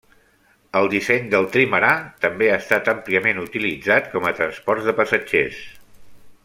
El disseny del trimarà també ha estat àmpliament utilitzat com a transport de passatgers.